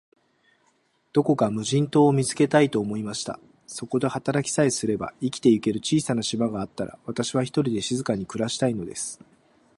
どこか無人島を見つけたい、と思いました。そこで働きさえすれば、生きてゆける小さな島があったら、私は、ひとりで静かに暮したいのです。